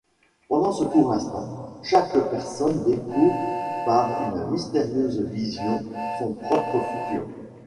Pendant ce court instant chaque personne découvre, par une mystérieuse vision, son propre futur.